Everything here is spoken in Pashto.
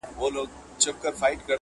د احمق نوم يې پر ځان نه سو منلاى!!